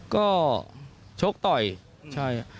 ก็ชกต่อยใช่